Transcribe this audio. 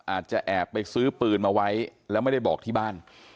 อาจจะแอบไปซื้อปืนมาไว้แล้วไม่ได้บอกที่บ้าน